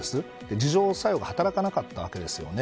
自浄作用が働かなかったわけですよね。